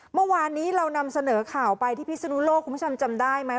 เมื่อวานนี้เรานำเสนอข่าวไปที่พิศนุโลกคุณผู้ชมจำได้ไหม